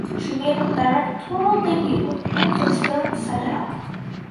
She made her directorial debut with the Netflix film "Set It Up".